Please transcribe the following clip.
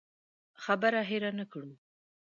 خبره هېره نه کړو.